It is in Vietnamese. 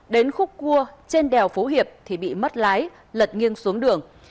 đến khúc cua trên đèo phú hiệp thì bị mất lái lật nghiêng xuống đường